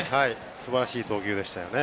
すばらしい投球でしたよね。